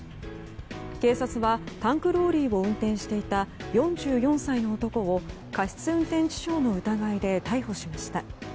警察はタンクローリーを運転していた４４歳の男を過失運転致傷の疑いで逮捕しました。